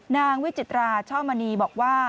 วิจิตราช่อมณีบอกว่า